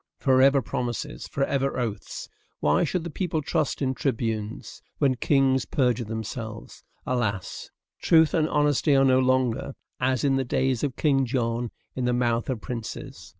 Forever promises! Forever oaths! Why should the people trust in tribunes, when kings perjure themselves? Alas! truth and honesty are no longer, as in the days of King John, in the mouth of princes.